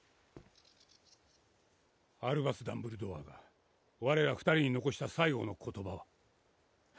アルバス・ダンブルドアが我ら２人に残した最後の言葉は？